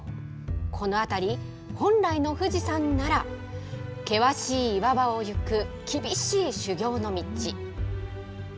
この辺り、本来の富士山なら、険しい岩場を行く厳しい修行の道。